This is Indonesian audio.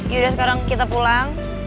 yaudah sekarang kita pulang